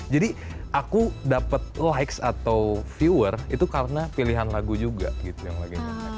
jadi aku dapat likes atau viewer itu karena pilihan lagu juga gitu yang lagi hype